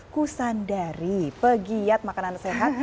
kusandari pegiat makanan sehat